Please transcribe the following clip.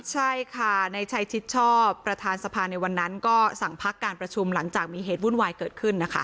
ใช่ค่ะในชัยชิดชอบประธานสภาในวันนั้นก็สั่งพักการประชุมหลังจากมีเหตุวุ่นวายเกิดขึ้นนะคะ